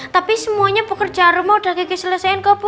tapi semuanya bu kerja rumah udah gigi selesaikan bu